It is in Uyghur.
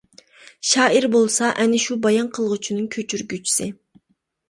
شائىر بولسا، ئەنە شۇ بايان قىلغۇچىنىڭ كۆچۈرگۈچىسى.